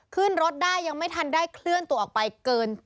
ขึ้นรถได้ยังไม่ทันได้เคลื่อนตัวออกไปเกิน